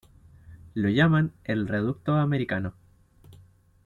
Lo llaman el "Reducto Americano".